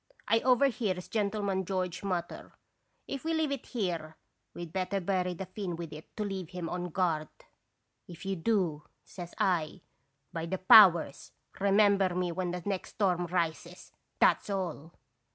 I overhears Gentleman George mutter :"* If we leave it here, we 'd better bury the Finn with it to leave him on guard.' '"If you do,' says I, 'by the powers! re member me when the next storm rises, that 's all!'